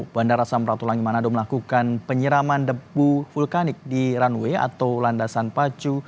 bandara samratulangi manado melakukan penyiraman debu vulkanik di runway atau landasan pacu